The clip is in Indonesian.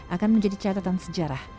akan menjadi catatan sejarah